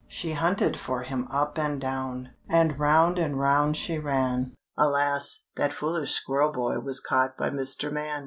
She hunted for him up and down And round and round she ran Alas, that foolish squirrel boy Was caught by Mr. Man.